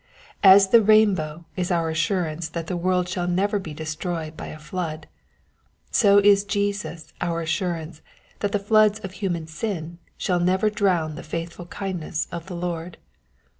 As the rainbow is our assurance that the world shall never be destroyed by a flood, so is Jesus our assurance that the floods of human sin shall never drown the faithful kindness of the Lord.